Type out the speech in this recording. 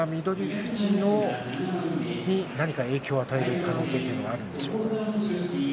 富士に何か影響を与える可能性はあるでしょうか？